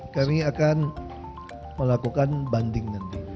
kami akan melakukan banding nanti